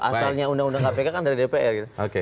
asalnya undang undang kpk kan dari dpr gitu